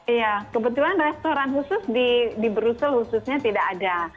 iya kebetulan restoran khusus di brussel khususnya tidak ada